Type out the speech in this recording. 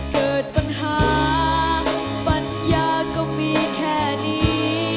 เกิดปัญหาปัญญาก็มีแค่นี้